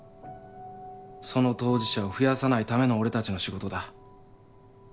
その当事者を増やさないための俺たちの仕事だ。